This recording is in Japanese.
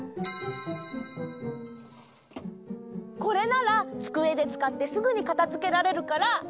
これならつくえでつかってすぐにかたづけられるからわすれなさそう！